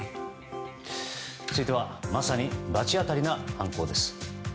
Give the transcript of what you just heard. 続いてまさに罰当たりな犯行です。